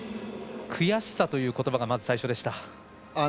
悔しさということばがまず最初でした。